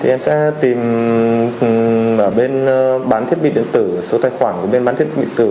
em sẽ tìm ở bên bán thiết bị điện tử số tài khoản của bên bán thiết bị tử